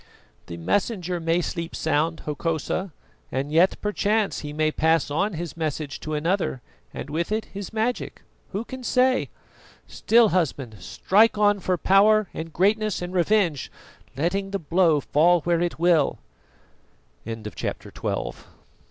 "The Messenger may sleep sound, Hokosa, and yet perchance he may pass on his message to another and, with it, his magic. Who can say? Still, husband, strike on for power and greatness and revenge, letting the blow fall where it will." CHAPTER XIII THE BASKE